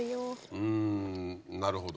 うんなるほど。